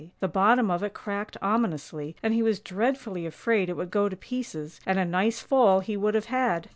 The bottom of it cracked ominously, and he was dreadfully afraid it would go to pieces, and a nice fall he would have had!